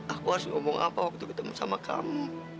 aku harus ngomong apa waktu ketemu sama kamu